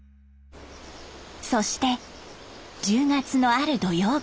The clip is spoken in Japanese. そして１０月のある土曜日。